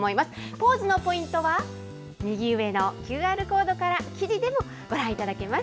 ポーズのポイントは右上のＱＲコードから、記事でもご覧いただけます。